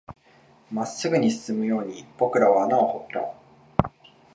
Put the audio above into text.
真っ直ぐに進むように僕らは穴を掘った